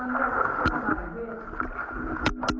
ไม่รู้